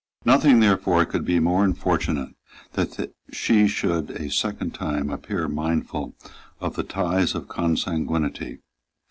Nothing therefore could be more unfortunate than that she should a second time appear unmindful of the ties of consanguinity.